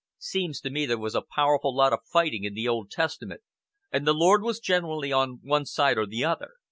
"Seems to me there was a powerful lot of fighting in the Old Testament, and the Lord was generally on one side or the other.